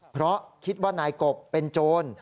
เพราะคิดว่านายกบเป็นโจร